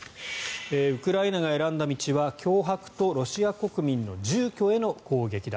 ウクライナが選んだ道は脅迫とロシア国民の住居への攻撃だ